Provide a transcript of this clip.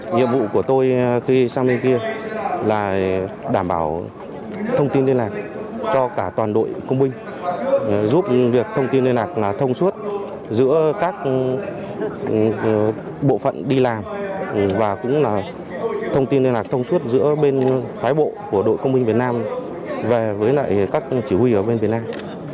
nhiệm vụ của tôi khi sang bên kia là đảm bảo thông tin liên lạc cho cả toàn đội công minh giúp việc thông tin liên lạc là thông suốt giữa các bộ phận đi làm và cũng là thông tin liên lạc thông suốt giữa bên phái bộ của đội công minh việt nam và với lại các chỉ huy ở bên việt nam